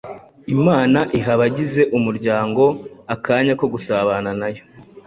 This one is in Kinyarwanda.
Imana iha abagize umuryango akanya ko gusabana na yo,